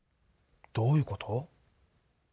どういうこと？